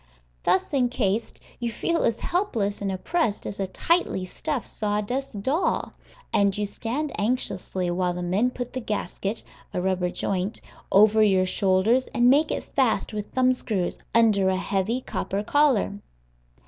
Thus incased, you feel as helpless and oppressed as a tightly stuffed sawdust doll, and you stand anxiously while the men put the gasket (a rubber joint) over your shoulders and make it fast with thumb screws, under a heavy copper collar.